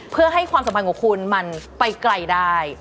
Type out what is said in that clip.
เพื่อให้ความสัมพันธ์ของคุณมันไปไกลได้